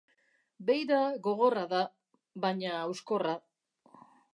Beira gogorra da, baina hauskorra